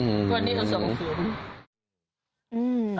อืองงคนนี่ถูกสองศูนย์